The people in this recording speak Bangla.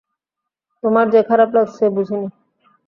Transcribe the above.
তোমার যে খারাপ লাগছে, বুঝিনি।